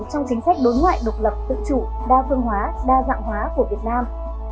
trong chính sách đối ngoại độc lập tự chủ đa phương hóa đa dạng hóa của việt nam